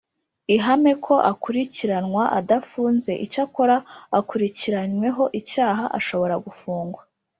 ihame ko akurikiranwa adafunze Icyakora ukurikiranyweho icyaha ashobora gufungwa